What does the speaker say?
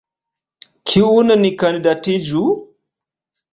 Kiun ni kandidatigu?